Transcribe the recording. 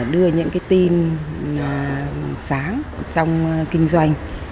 đưa những tin sáng trong kinh doanh